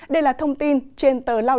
đây là thông tin trên tờ laos